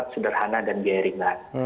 sederhana dan biaya ringan